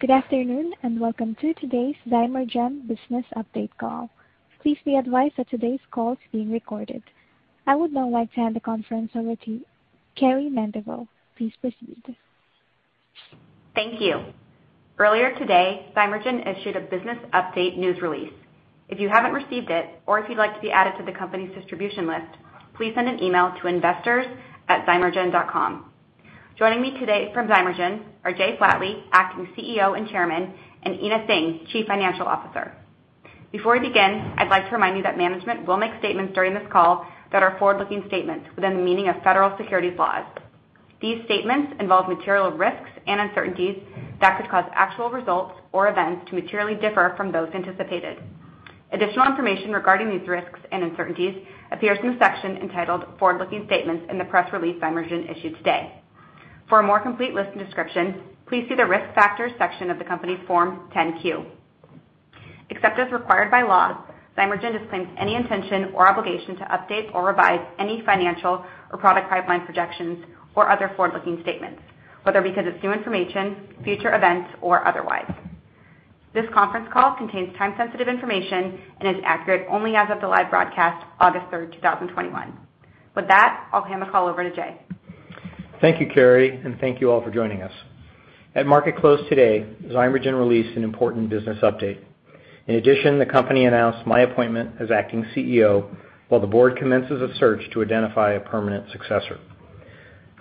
Good afternoon, and welcome to today's Zymergen business update call. Please be advised that today's call is being recorded. I would now like to hand the conference over to Kari Mandeville. Please proceed. Thank you. Earlier today, Zymergen issued a business update news release. If you haven't received it, or if you'd like to be added to the company's distribution list, please send an email to investors@zymergen.com. Joining me today from Zymergen are Jay Flatley, Acting CEO and Chairman, and Enakshi Singh, Chief Financial Officer. Before we begin, I'd like to remind you that management will make statements during this call that are forward-looking statements within the meaning of federal securities laws. These statements involve material risks and uncertainties that could cause actual results or events to materially differ from those anticipated. Additional information regarding these risks and uncertainties appears in the section entitled Forward-Looking Statements in the press release Zymergen issued today. For a more complete list and description, please see the Risk Factors section of the company's Form 10-Q. Except as required by law, Zymergen disclaims any intention or obligation to update or revise any financial or product pipeline projections or other forward-looking statements, whether because of new information, future events, or otherwise. This conference call contains time-sensitive information and is accurate only as of the live broadcast, August 3rd, 2021. With that, I'll hand the call over to Jay. Thank you, Kari, and thank you all for joining us. At market close today, Zymergen released an important business update. In addition, the company announced my appointment as acting CEO while the board commences a search to identify a permanent successor.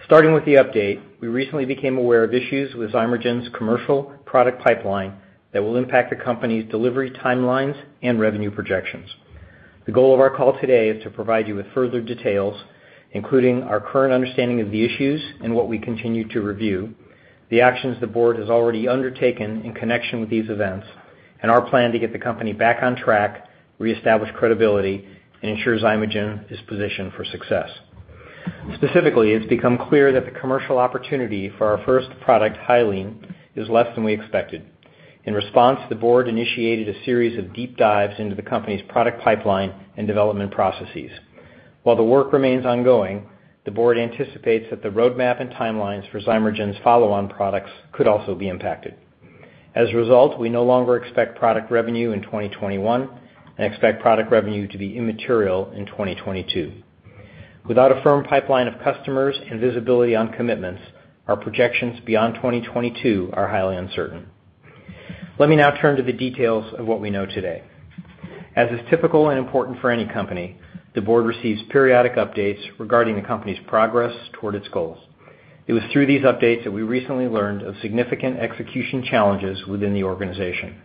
Starting with the update, we recently became aware of issues with Zymergen's commercial product pipeline that will impact the company's delivery timelines and revenue projections. The goal of our call today is to provide you with further details, including our current understanding of the issues and what we continue to review, the actions the board has already undertaken in connection with these events, and our plan to get the company back on track, reestablish credibility, and ensure Zymergen is positioned for success. Specifically, it's become clear that the commercial opportunity for our first product, Hyaline, is less than we expected. In response, the board initiated a series of deep dives into the company's product pipeline and development processes. While the work remains ongoing, the board anticipates that the roadmap and timelines for Zymergen's follow-on products could also be impacted. As a result, we no longer expect product revenue in 2021 and expect product revenue to be immaterial in 2022. Without a firm pipeline of customers and visibility on commitments, our projections beyond 2022 are highly uncertain. Let me now turn to the details of what we know today. As is typical and important for any company, the board receives periodic updates regarding the company's progress toward its goals. It was through these updates that we recently learned of significant execution challenges within the organization.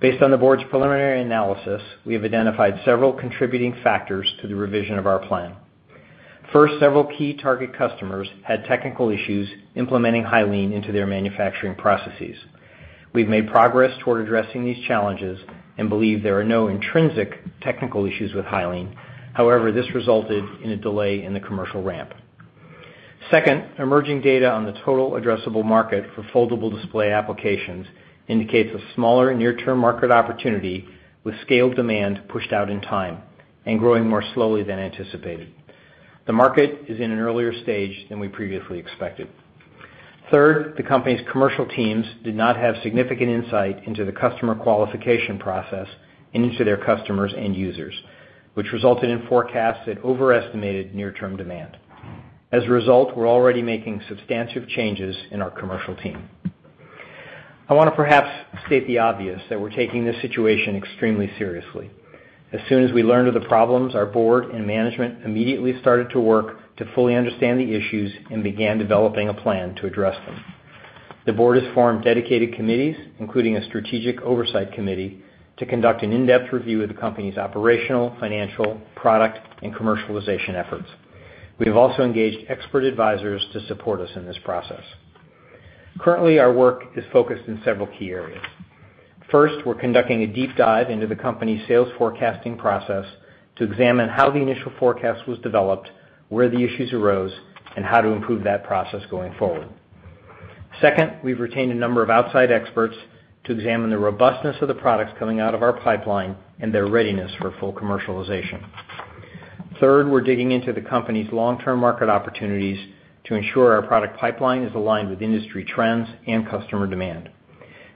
Based on the board's preliminary analysis, we have identified several contributing factors to the revision of our plan. First, several key target customers had technical issues implementing Hyaline into their manufacturing processes. We've made progress toward addressing these challenges and believe there are no intrinsic technical issues with Hyaline. This resulted in a delay in the commercial ramp. Second, emerging data on the total addressable market for foldable display applications indicates a smaller near-term market opportunity with scaled demand pushed out in time and growing more slowly than anticipated. The market is in an earlier stage than we previously expected. Third, the company's commercial teams did not have significant insight into the customer qualification process and into their customers and users, which resulted in forecasts that overestimated near-term demand. We're already making substantive changes in our commercial team. I want to perhaps state the obvious, that we're taking this situation extremely seriously. As soon as we learned of the problems, our board and management immediately started to work to fully understand the issues and began developing a plan to address them. The board has formed dedicated committees, including a strategic oversight committee, to conduct an in-depth review of the company's operational, financial, product, and commercialization efforts. We have also engaged expert advisors to support us in this process. Currently, our work is focused in several key areas. First, we're conducting a deep dive into the company's sales forecasting process to examine how the initial forecast was developed, where the issues arose, and how to improve that process going forward. Second, we've retained a number of outside experts to examine the robustness of the products coming out of our pipeline and their readiness for full commercialization. Third, we're digging into the company's long-term market opportunities to ensure our product pipeline is aligned with industry trends and customer demand.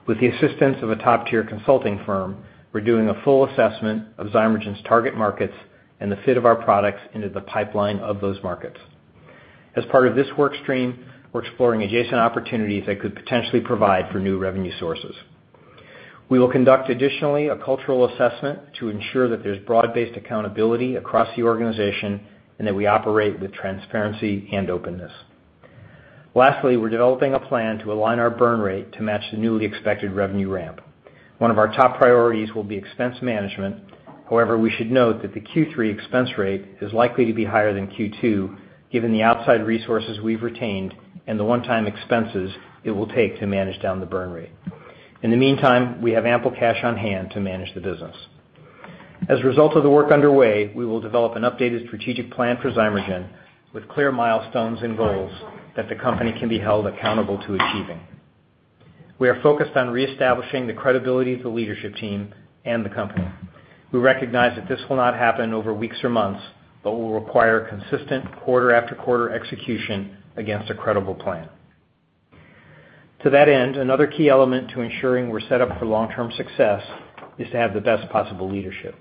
With the assistance of a top-tier consulting firm, we're doing a full assessment of Zymergen's target markets and the fit of our products into the pipeline of those markets. As part of this workstream, we're exploring adjacent opportunities that could potentially provide for new revenue sources. We will conduct additionally a cultural assessment to ensure that there's broad-based accountability across the organization and that we operate with transparency and openness. Lastly, we're developing a plan to align our burn rate to match the newly expected revenue ramp. One of our top priorities will be expense management. However, we should note that the Q3 expense rate is likely to be higher than Q2 given the outside resources we've retained and the one-time expenses it will take to manage down the burn rate. In the meantime, we have ample cash on-hand to manage the business. As a result of the work underway, we will develop an updated strategic plan for Zymergen with clear milestones and goals that the company can be held accountable to achieving. We are focused on reestablishing the credibility of the leadership team and the company. We recognize that this will not happen over weeks or months, but will require consistent quarter after quarter execution against a credible plan. To that end, another key element to ensuring we're set up for long-term success is to have the best possible leadership.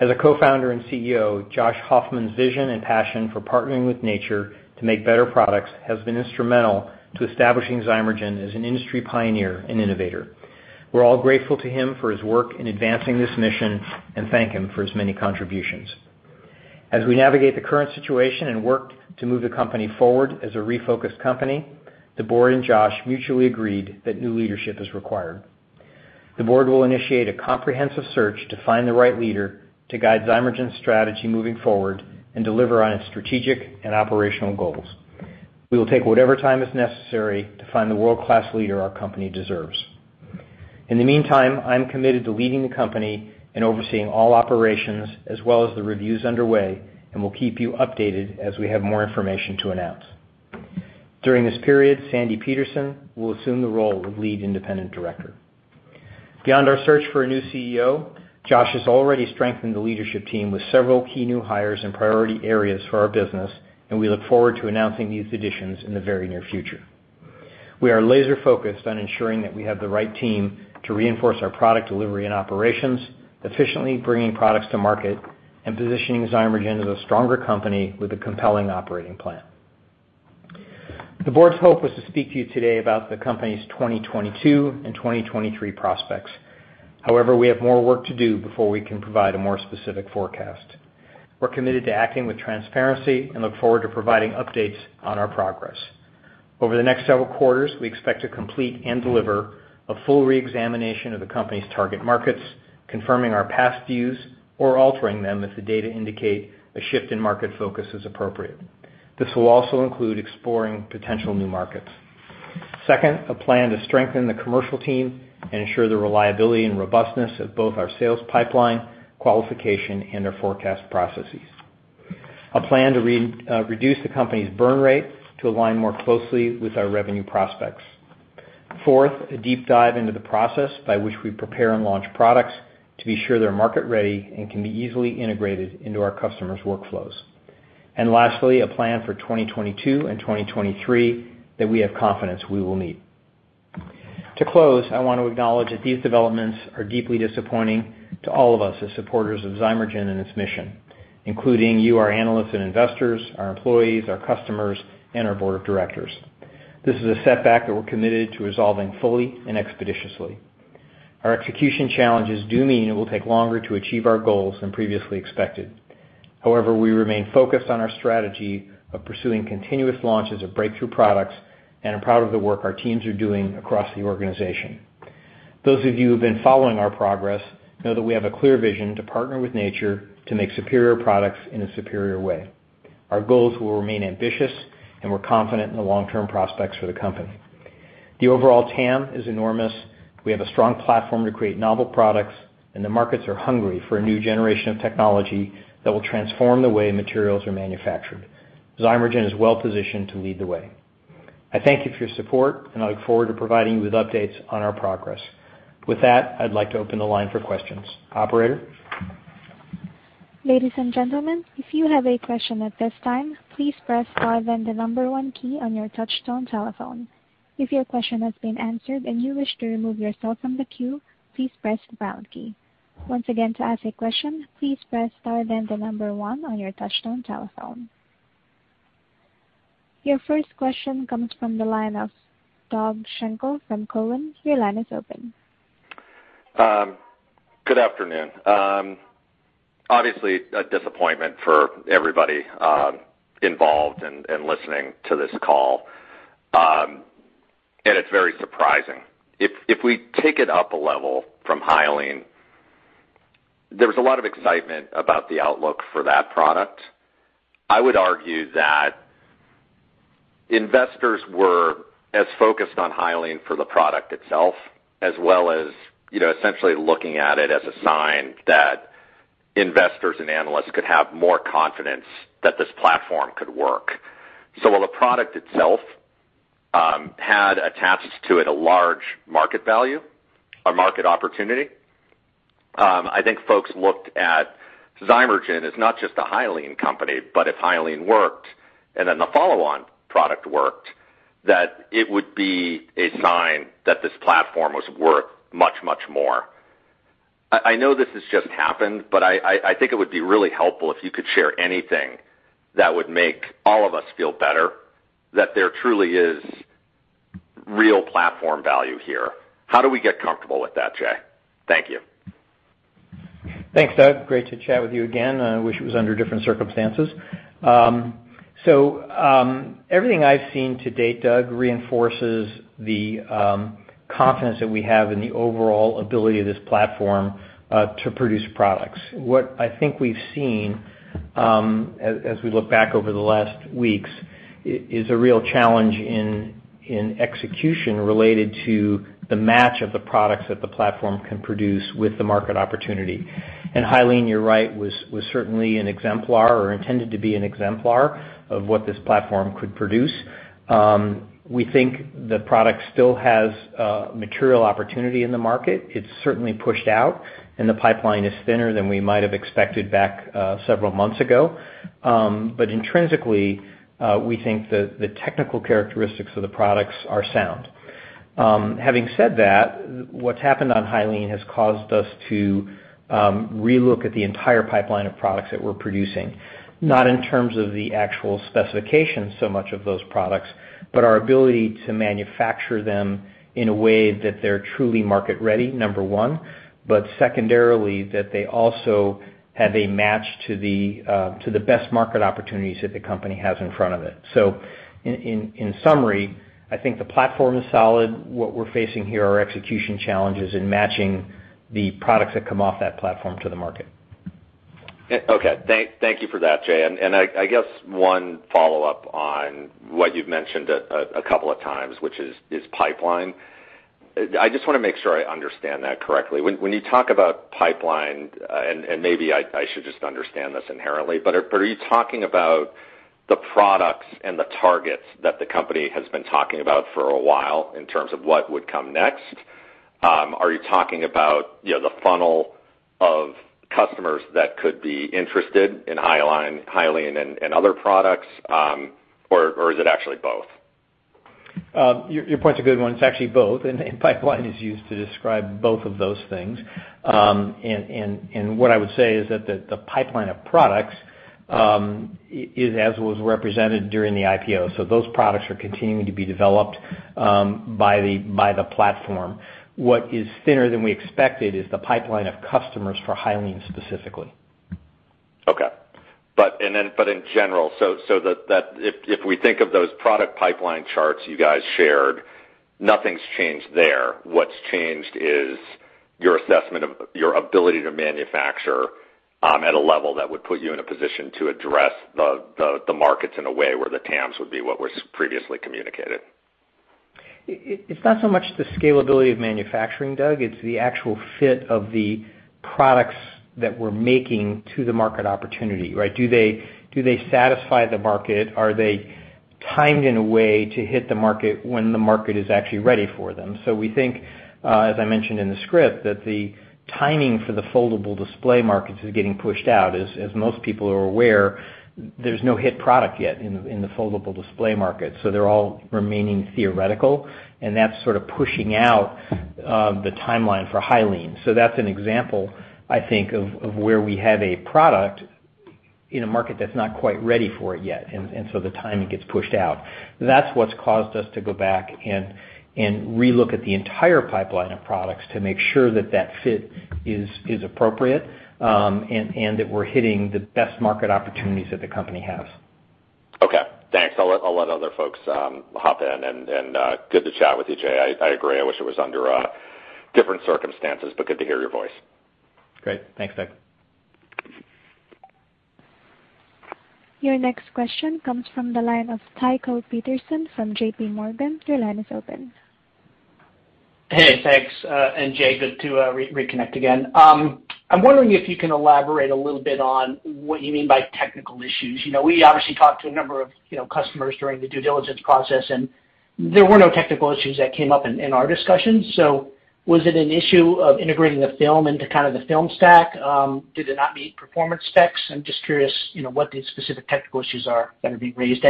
As a co-founder and CEO, Josh Hoffman's vision and passion for partnering with nature to make better products has been instrumental to establishing Zymergen as an industry pioneer and innovator. We're all grateful to him for his work in advancing this mission and thank him for his many contributions. As we navigate the current situation and work to move the company forward as a refocused company, the board and Josh mutually agreed that new leadership is required. The board will initiate a comprehensive search to find the right leader to guide Zymergen's strategy moving forward and deliver on its strategic and operational goals. We will take whatever time is necessary to find the world-class leader our company deserves. In the meantime, I'm committed to leading the company and overseeing all operations as well as the reviews underway, and will keep you updated as we have more information to announce. During this period, Sandi Peterson will assume the role of lead independent director. Beyond our search for a new CEO, Josh has already strengthened the leadership team with several key new hires in priority areas for our business, and we look forward to announcing these additions in the very near future. We are laser-focused on ensuring that we have the right team to reinforce our product delivery and operations, efficiently bringing products to market and positioning Zymergen as a stronger company with a compelling operating plan. The board's hope was to speak to you today about the company's 2022 and 2023 prospects. However, we have more work to do before we can provide a more specific forecast. We're committed to acting with transparency and look forward to providing updates on our progress. Over the next several quarters, we expect to complete and deliver a full re-examination of the company's target markets, confirming our past views or altering them if the data indicate a shift in market focus is appropriate. This will also include exploring potential new markets. Second, a plan to strengthen the commercial team and ensure the reliability and robustness of both our sales pipeline qualification and our forecast processes. A plan to reduce the company's burn rate to align more closely with our revenue prospects. Fourth, a deep dive into the process by which we prepare and launch products to be sure they're market-ready and can be easily integrated into our customers' workflows. Lastly, a plan for 2022 and 2023 that we have confidence we will meet. To close, I want to acknowledge that these developments are deeply disappointing to all of us as supporters of Zymergen and its mission, including you, our analysts and investors, our employees, our customers, and our board of directors. This is a setback that we're committed to resolving fully and expeditiously. Our execution challenges do mean it will take longer to achieve our goals than previously expected. However, we remain focused on our strategy of pursuing continuous launches of breakthrough products and are proud of the work our teams are doing across the organization. Those of you who've been following our progress know that we have a clear vision to partner with nature to make superior products in a superior way. Our goals will remain ambitious, and we're confident in the long-term prospects for the company. The overall TAM is enormous. We have a strong platform to create novel products, and the markets are hungry for a new generation of technology that will transform the way materials are manufactured. Zymergen is well positioned to lead the way. I thank you for your support, and I look forward to providing you with updates on our progress. With that, I'd like to open the line for questions. Operator? Ladies and gentlemen, if you have a question at this time, please press star then the number one key on your touch tone telephone. If your question has been answered and you wish to remove yourself from the queue, please press the pound key. Once again to ask a question, please press star then the number one on your touch tone telephone. Your first question comes from the line of Doug Schenkel from Cowen. Your line is open. Good afternoon. Obviously, a disappointment for everybody involved and listening to this call. It's very surprising. If we take it up a level from Hyaline, there was a lot of excitement about the outlook for that product. I would argue that investors were as focused on Hyaline for the product itself, as well as essentially looking at it as a sign that investors and analysts could have more confidence that this platform could work. While the product itself had attached to it a large market value or market opportunity, I think folks looked at Zymergen as not just a Hyaline company, but if Hyaline worked, and then the follow-on product worked, that it would be a sign that this platform was worth much more. I know this has just happened, but I think it would be really helpful if you could share anything that would make all of us feel better that there truly is real platform value here. How do we get comfortable with that, Jay? Thank you. Thanks, Doug. Great to chat with you again. I wish it was under different circumstances. Everything I've seen to date, Doug, reinforces the confidence that we have in the overall ability of this platform to produce products. What I think we've seen as we look back over the last weeks is a real challenge in execution related to the match of the products that the platform can produce with the market opportunity. Hyaline, you're right, was certainly an exemplar or intended to be an exemplar of what this platform could produce. We think the product still has a material opportunity in the market. It's certainly pushed out, and the pipeline is thinner than we might have expected back several months ago. Intrinsically, we think that the technical characteristics of the products are sound. Having said that, what's happened on Hyaline has caused us to relook at the entire pipeline of products that we're producing, not in terms of the actual specifications so much of those products, but our ability to manufacture them in a way that they're truly market-ready, number one, but secondarily, that they also have a match to the best market opportunities that the company has in front of it. In summary, I think the platform is solid. What we're facing here are execution challenges in matching the products that come off that platform to the market. Okay. Thank you for that, Jay. I guess one follow-up on what you've mentioned a couple of times, which is pipeline. I just want to make sure I understand that correctly. When you talk about pipeline, and maybe I should just understand this inherently, but are you talking about the products and the targets that the company has been talking about for a while in terms of what would come next, are you talking about the funnel of customers that could be interested in Hyaline and other products? Or is it actually both? Your point's a good one. It's actually both, and pipeline is used to describe both of those things. What I would say is that the pipeline of products is as was represented during the IPO. Those products are continuing to be developed by the platform. What is thinner than we expected is the pipeline of customers for Hyaline specifically. Okay. In general, if we think of those product pipeline charts you guys shared, nothing's changed there. What's changed is your assessment of your ability to manufacture at a level that would put you in a position to address the markets in a way where the TAMs would be what was previously communicated. It's not so much the scalability of manufacturing, Doug, it's the actual fit of the products that we're making to the market opportunity, right? Do they satisfy the market? Are they timed in a way to hit the market when the market is actually ready for them? We think, as I mentioned in the script, that the timing for the foldable display markets is getting pushed out. As most people are aware, there's no hit product yet in the foldable display market, so they're all remaining theoretical, and that's sort of pushing out the timeline for Hyaline. That's an example, I think, of where we have a product in a market that's not quite ready for it yet, and so the timing gets pushed out. That's what's caused us to go back and relook at the entire pipeline of products to make sure that fit is appropriate, and that we're hitting the best market opportunities that the company has. Okay, thanks. I'll let other folks hop in, and good to chat with you, Jay. I agree, I wish it was under different circumstances, but good to hear your voice. Great. Thanks, Doug. Your next question comes from the line of Tycho Peterson from JPMorgan. Your line is open. Hey, thanks. Jay, good to reconnect again. I'm wondering if you can elaborate a little bit on what you mean by technical issues. We obviously talked to a number of customers during the due diligence process. There were no technical issues that came up in our discussions. Was it an issue of integrating the film into kind of the film stack? Did it not meet performance specs? I'm just curious, what the specific technical issues are that are being raised.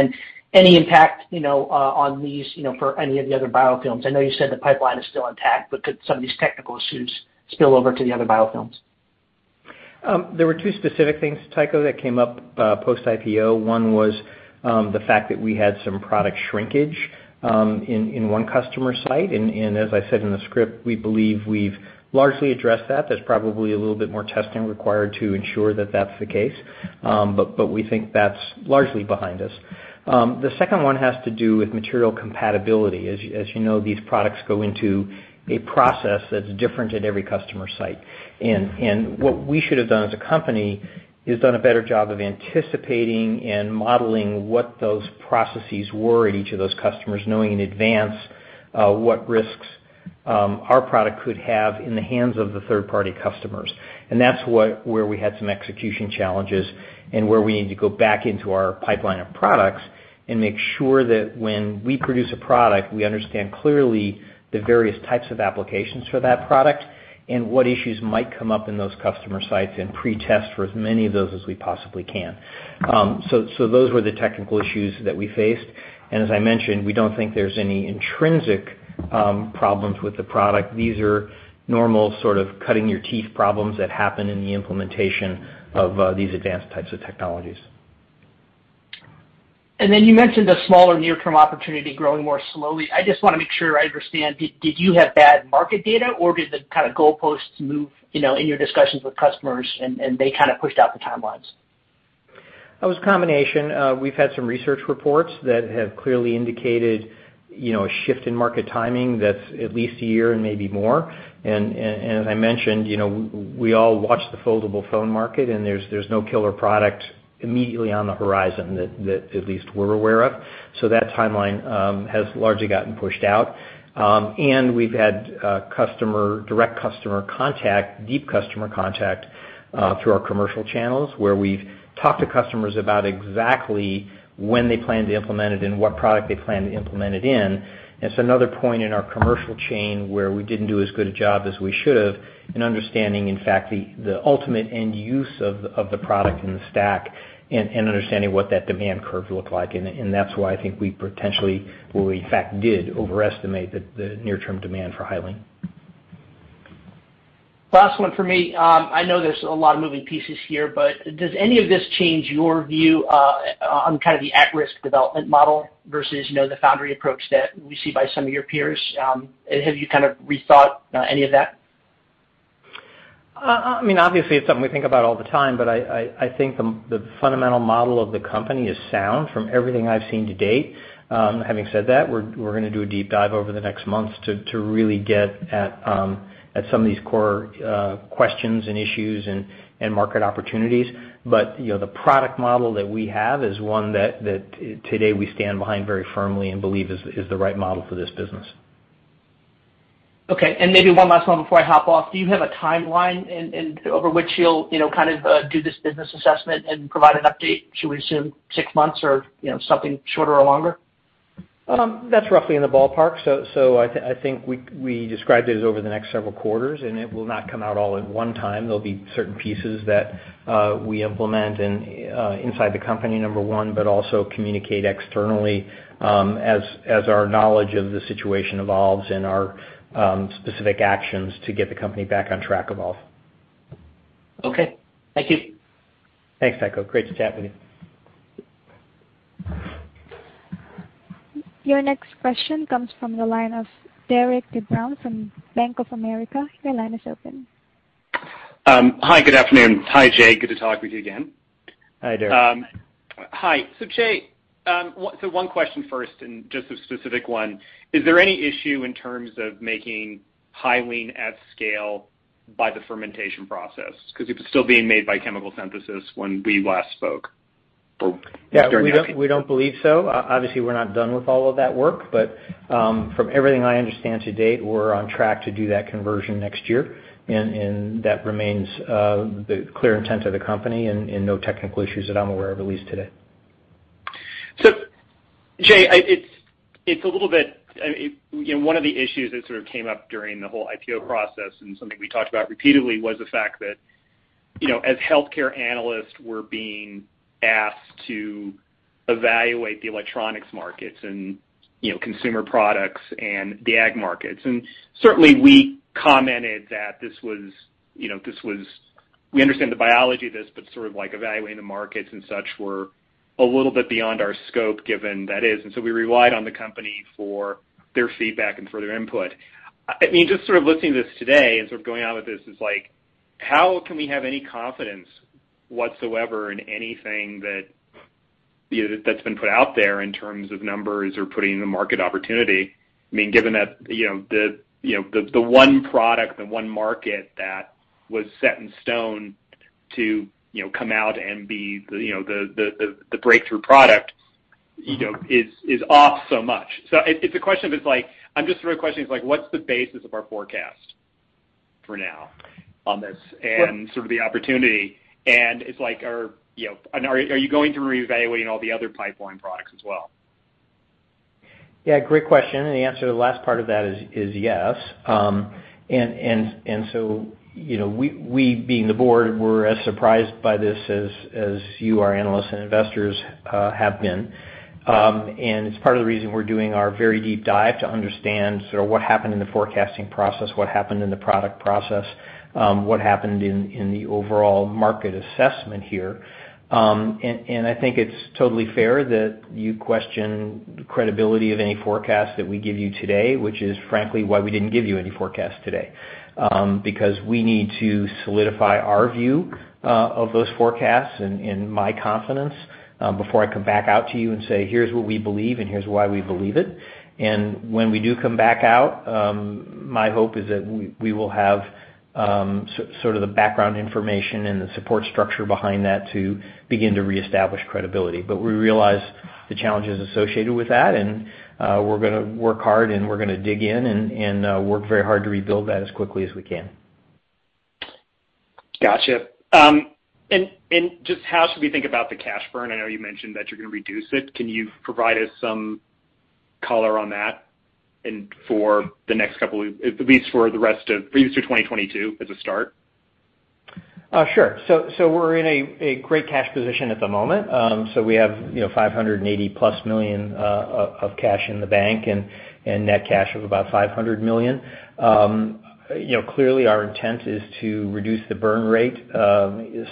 Any impact on these for any of the other biofilms? I know you said the pipeline is still intact. Could some of these technical issues spill over to the other biofilms? There were two specific things, Tycho, that came up post-IPO. One was the fact that we had some product shrinkage in one customer site. As I said in the script, we believe we've largely addressed that. There's probably a little bit more testing required to ensure that that's the case. We think that's largely behind us. The second one has to do with material compatibility. As you know, these products go into a process that's different at every customer site. What we should have done as a company is done a better job of anticipating and modeling what those processes were at each of those customers, knowing in advance what risks our product could have in the hands of the third-party customers. That's where we had some execution challenges, and where we need to go back into our pipeline of products and make sure that when we produce a product, we understand clearly the various types of applications for that product and what issues might come up in those customer sites, and pretest for as many of those as we possibly can. Those were the technical issues that we faced. As I mentioned, we don't think there's any intrinsic problems with the product. These are normal sort of cutting your teeth problems that happen in the implementation of these advanced types of technologies. Then you mentioned a smaller near-term opportunity growing more slowly. I just want to make sure I understand. Did you have bad market data, or did the kind of goalposts move in your discussions with customers and they kind of pushed out the timelines? It was a combination. We've had some research reports that have clearly indicated a shift in market timing that's at least a year and maybe more. As I mentioned, we all watch the foldable phone market, and there's no killer product immediately on the horizon that at least we're aware of. That timeline has largely gotten pushed out. We've had direct customer contact, deep customer contact, through our commercial channels, where we've talked to customers about exactly when they plan to implement it and what product they plan to implement it in. Another point in our commercial chain where we didn't do as good a job as we should have in understanding, in fact, the ultimate end use of the product in the stack and understanding what that demand curve looked like. That's why I think we potentially, or in fact did, overestimate the near-term demand for Hyaline. Last one for me. I know there's a lot of moving pieces here, but does any of this change your view on kind of the at-risk development model versus the foundry approach that we see by some of your peers? Have you kind of rethought any of that? Obviously, it's something we think about all the time, but I think the fundamental model of the company is sound from everything I've seen to date. Having said that, we're going to do a deep dive over the next months to really get at some of these core questions and issues and market opportunities. The product model that we have is one that today we stand behind very firmly and believe is the right model for this business. Okay, maybe one last one before I hop off. Do you have a timeline over which you'll kind of do this business assessment and provide an update? Should we assume six months or something shorter or longer? That's roughly in the ballpark. I think we described it as over the next several quarters, and it will not come out all at one time. There'll be certain pieces that we implement inside the company, number one, but also communicate externally as our knowledge of the situation evolves and our specific actions to get the company back on track evolve. Okay. Thank you. Thanks, Tycho Peterson. Great to chat with you. Your next question comes from the line of Derik De Bruin from Bank of America. Your line is open. Hi, good afternoon. Hi, Jay. Good to talk with you again. Hi, Derik. Hi. Jay, one question first, and just a specific one. Is there any issue in terms of making Hyaline at scale by the fermentation process? It was still being made by chemical synthesis when we last spoke. Yeah, we don't believe so. Obviously, we're not done with all of that work, but from everything I understand to date, we're on track to do that conversion next year, and that remains the clear intent of the company and no technical issues that I'm aware of, at least today. Jay, one of the issues that sort of came up during the whole IPO process and something we talked about repeatedly was the fact that as healthcare analysts, we're being asked to evaluate the electronics markets and consumer products and the ag markets. Certainly, we commented that we understand the biology of this, but sort of evaluating the markets and such were a little bit beyond our scope given that is, and so we relied on the company for their feedback and for their input. Just sort of listening to this today and sort of going on with this is like, how can we have any confidence whatsoever in anything that's been put out there in terms of numbers or putting the market opportunity, given that the one product, the one market that was set in stone to come out and be the breakthrough product is off so much. The question is like, what's the basis of our forecast for now on this and sort of the opportunity, and are you going through reevaluating all the other pipeline products as well? Yeah, great question. The answer to the last part of that is yes. We, being the board, were as surprised by this as you, our analysts and investors, have been. It's part of the reason we're doing our very deep dive to understand sort of what happened in the forecasting process, what happened in the product process, what happened in the overall market assessment here. I think it's totally fair that you question the credibility of any forecast that we give you today, which is frankly why we didn't give you any forecast today. Because we need to solidify our view of those forecasts and my confidence before I come back out to you and say, "Here's what we believe, and here's why we believe it." When we do come back out, my hope is that we will have sort of the background information and the support structure behind that to begin to reestablish credibility. We realize the challenges associated with that, and we're going to work hard, and we're going to dig in and work very hard to rebuild that as quickly as we can. Got you. Just how should we think about the cash burn? I know you mentioned that you're going to reduce it. Can you provide us some color on that, at least through 2022 as a start? Sure. We're in a great cash position at the moment. We have $580+ million of cash in the bank and net cash of about $500 million. Clearly, our intent is to reduce the burn rate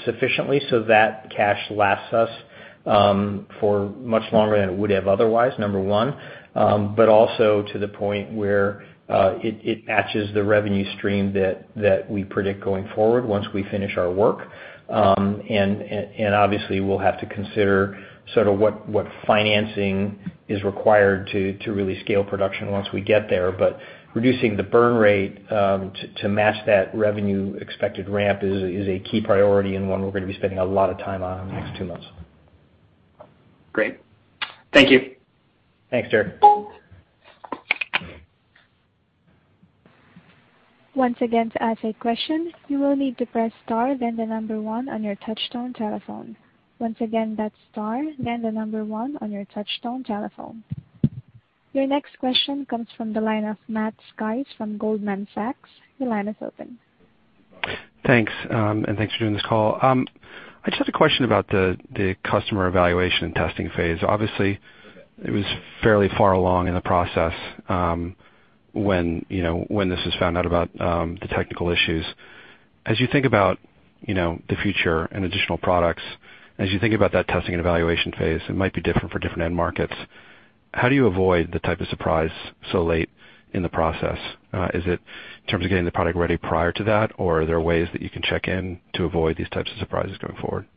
sufficiently so that cash lasts us for much longer than it would have otherwise, number one, but also to the point where it matches the revenue stream that we predict going forward once we finish our work. Obviously, we'll have to consider sort of what financing is required to really scale production once we get there. Reducing the burn rate to match that revenue expected ramp is a key priority and one we're going to be spending a lot of time on in the next two months. Great. Thank you. Thanks, sir. Your next question comes from the line of Matthew Sykes from Goldman Sachs. Your line is open. Thanks, thanks for doing this call. I just had a question about the customer evaluation and testing phase. Obviously, it was fairly far along in the process when this was found out about the technical issues. As you think about the future and additional products, as you think about that testing and evaluation phase, it might be different for different end markets. How do you avoid the type of surprise so late in the process? Is it in terms of getting the product ready prior to that, or are there ways that you can check in to avoid these types of surprises going forward?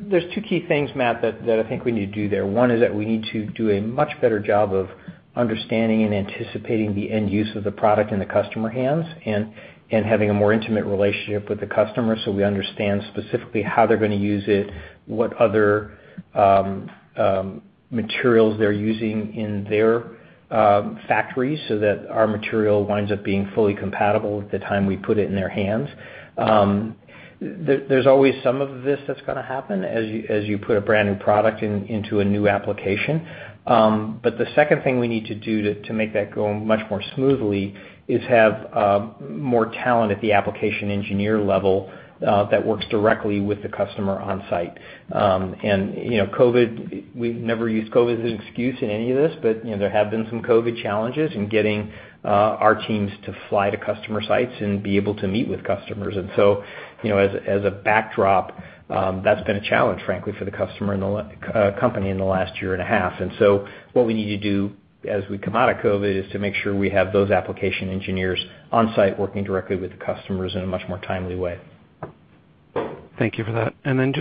There's two key things, Matt, that I think we need to do there. One is that we need to do a much better job of understanding and anticipating the end use of the product in the customer hands and having a more intimate relationship with the customer so we understand specifically how they're going to use it, what other materials they're using in their factories so that our material winds up being fully compatible at the time we put it in their hands. There's always some of this that's going to happen as you put a brand-new product into a new application. The second thing we need to do to make that go much more smoothly is have more talent at the application engineer level that works directly with the customer on-site. COVID, we've never used COVID as an excuse in any of this, but there have been some COVID challenges in getting our teams to fly to customer sites and be able to meet with customers. As a backdrop, that's been a challenge, frankly, for the company in the last year and a half. What we need to do as we come out of COVID is to make sure we have those application engineers on-site working directly with the customers in a much more timely way. Thank you for that. Then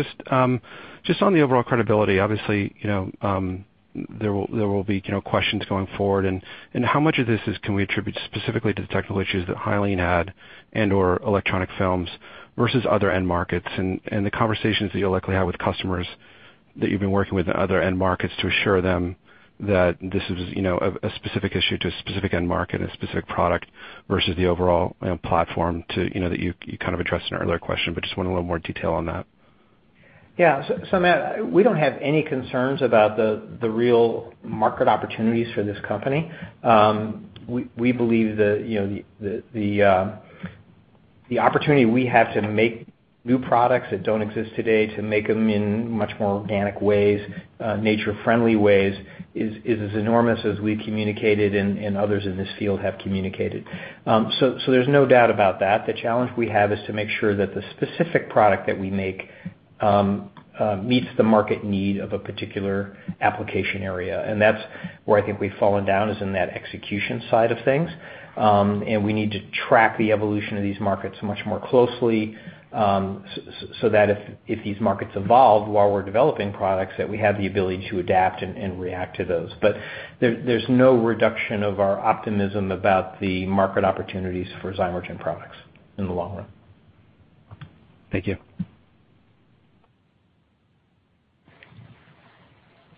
just on the overall credibility, obviously, there will be questions going forward and how much of this can we attribute specifically to the technical issues that Hyaline had and/or electronic films versus other end markets and the conversations that you'll likely have with customers that you've been working with in other end markets to assure them that this is a specific issue to a specific end market and a specific product versus the overall platform that you kind of addressed in an earlier question, but just want a little more detail on that. Yeah. Matt, we don't have any concerns about the real market opportunities for this company. We believe that the opportunity we have to make new products that don't exist today, to make them in much more organic ways, nature-friendly ways, is as enormous as we communicated and others in this field have communicated. There's no doubt about that. The challenge we have is to make sure that the specific product that we make meets the market need of a particular application area. That's where I think we've fallen down is in that execution side of things. We need to track the evolution of these markets much more closely, so that if these markets evolve while we're developing products, that we have the ability to adapt and react to those. There's no reduction of our optimism about the market opportunities for Zymergen products in the long run. Thank you.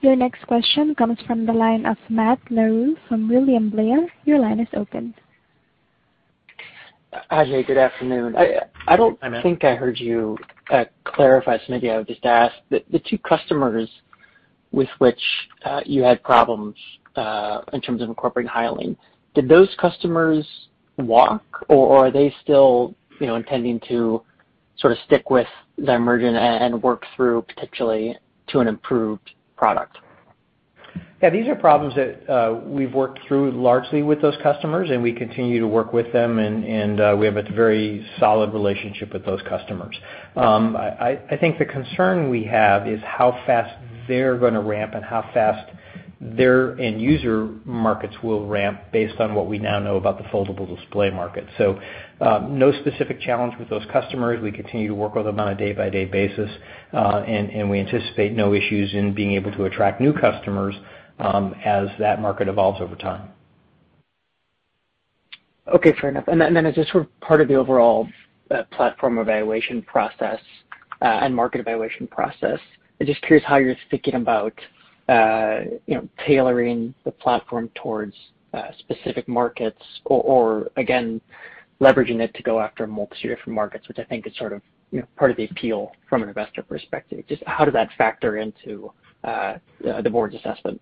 Your next question comes from the line of Matt Larew from William Blair. Your line is open. Jay Flatley, good afternoon. Hi, Matt. I don't think I heard you clarify something I was just asked. The two customers with which you had problems in terms of incorporating Hyaline, did those customers walk or are they still intending to sort of stick with Zymergen and work through potentially to an improved product? Yeah, these are problems that we've worked through largely with those customers, and we continue to work with them, and we have a very solid relationship with those customers. I think the concern we have is how fast they're going to ramp and how fast their end user markets will ramp based on what we now know about the foldable display market. No specific challenge with those customers. We continue to work with them on a day-by-day basis. We anticipate no issues in being able to attract new customers as that market evolves over time. Okay, fair enough. As just sort of part of the overall platform evaluation process and market evaluation process, I'm just curious how you're thinking about tailoring the platform towards specific markets or again, leveraging it to go after multiple different markets, which I think is sort of part of the appeal from an investor perspective. Just how did that factor into the board's assessment?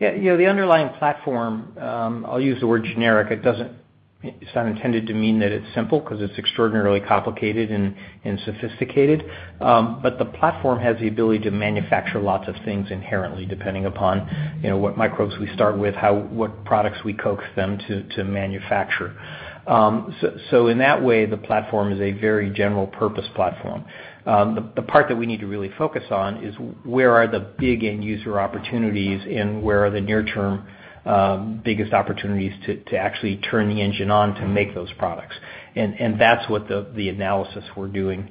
Yeah. The underlying platform, I'll use the word generic. It's not intended to mean that it's simple because it's extraordinarily complicated and sophisticated. The platform has the ability to manufacture lots of things inherently, depending upon what microbes we start with, what products we coax them to manufacture. In that way, the platform is a very general-purpose platform. The part that we need to really focus on is where are the big end user opportunities and where are the near-term biggest opportunities to actually turn the engine on to make those products. That's what the analysis we're doing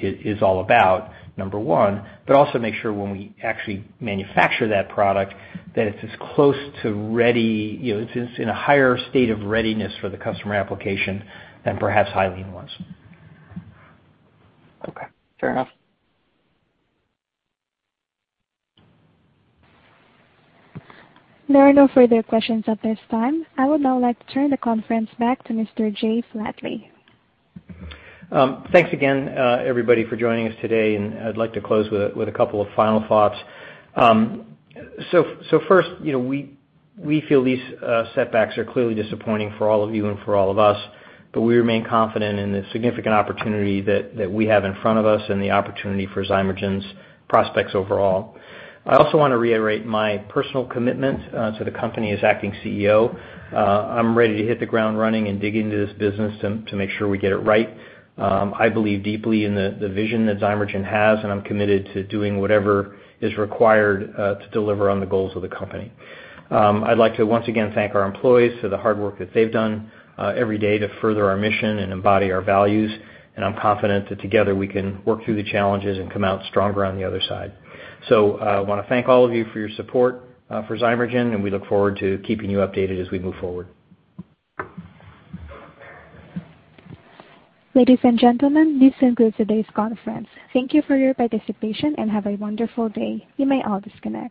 is all about, number one, but also make sure when we actually manufacture that product, that it's as close to ready, it's in a higher state of readiness for the customer application than perhaps Hyaline was. Okay. Fair enough. There are no further questions at this time. I would now like to turn the conference back to Mr. Jay Flatley. Thanks again, everybody, for joining us today, and I'd like to close with a couple of final thoughts. First, we feel these setbacks are clearly disappointing for all of you and for all of us, but we remain confident in the significant opportunity that we have in front of us and the opportunity for Zymergen's prospects overall. I also want to reiterate my personal commitment to the company as acting CEO. I'm ready to hit the ground running and dig into this business to make sure we get it right. I believe deeply in the vision that Zymergen has, and I'm committed to doing whatever is required to deliver on the goals of the company. I'd like to once again thank our employees for the hard work that they've done every day to further our mission and embody our values, and I'm confident that together we can work through the challenges and come out stronger on the other side. I want to thank all of you for your support for Zymergen, and we look forward to keeping you updated as we move forward. Ladies and gentlemen, this concludes today's conference. Thank you for your participation, and have a wonderful day. You may all disconnect.